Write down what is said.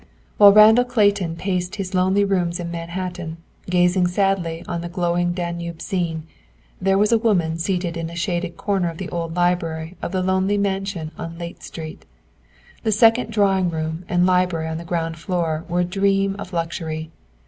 While Randall Clayton paced his lonely rooms in Manhattan, gazing sadly on the glowing Danube scene, there was a woman seated in a shaded corner of the old library of the lonely mansion on Layte Street. The second drawing room and library on the ground floor were a dream of luxury.